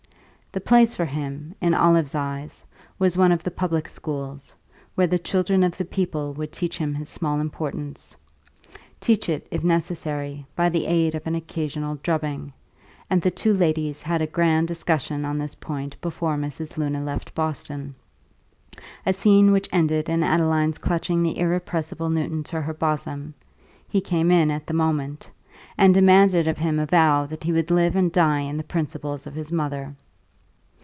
The place for him, in Olive's eyes, was one of the public schools, where the children of the people would teach him his small importance, teach it, if necessary, by the aid of an occasional drubbing; and the two ladies had a grand discussion on this point before Mrs. Luna left Boston a scene which ended in Adeline's clutching the irrepressible Newton to her bosom (he came in at the moment), and demanding of him a vow that he would live and die in the principles of his mother.